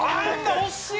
惜しい！